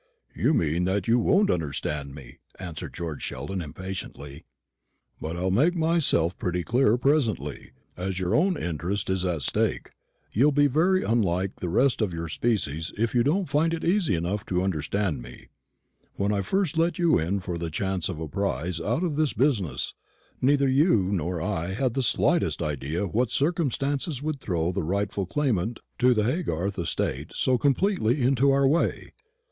"You mean that you won't understand me," answered George Sheldon, impatiently; "but I'll make myself pretty clear presently; and as your own interest is at stake, you'll be very unlike the rest of your species if you don't find it easy enough to understand me. When first I let you in for the chance of a prize out of this business, neither you nor I had the slightest idea that circumstances would throw the rightful claimant to the Haygarth estate so completely into our way.